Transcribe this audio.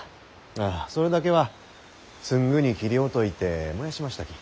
ああそれだけはすぐに切り落といて燃やしましたき。